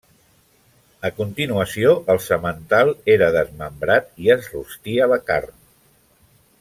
A continuació, el semental era desmembrat i es rostia la carn.